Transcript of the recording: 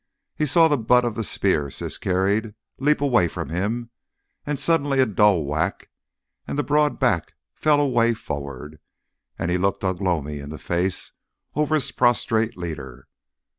He saw the butt of the spear Siss carried leap away from him, and suddenly a dull whack and the broad back fell away forward, and he looked Ugh lomi in the face over his prostrate leader.